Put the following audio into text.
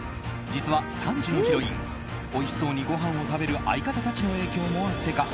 実は、３時のヒロインおいしそうにごはんを食べる相方たちの影響もあってか